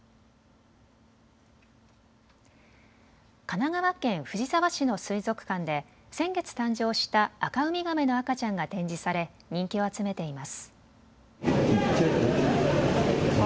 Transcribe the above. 神奈川県藤沢市の水族館で先月誕生したアカウミガメの赤ちゃんが展示され人気を集めています。